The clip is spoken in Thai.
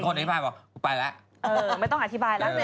สวัสดีค่าข้าวใส่ไข่